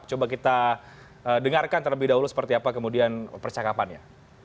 coba kita dengarkan terlebih dahulu seperti apa kemudian percakapannya